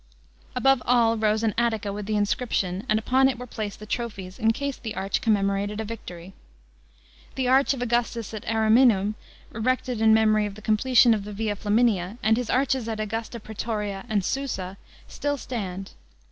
Above all rose an attica with the inscription, and upon it were placed the trophies in case the arch commemorated a victory. The arch of Augustus at Ariminum. erected in memory of the completion of the Via Flamiixia, and his arches at Augusta Pretoria and Susa, still stand.